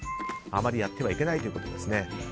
あまりやってはいけないということです。